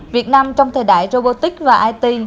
việt nam trong thời đại robotics và it